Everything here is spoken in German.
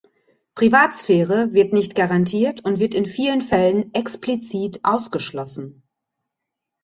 Privatsphäre wird nicht garantiert und wird in vielen Fällen explizit ausgeschlossen.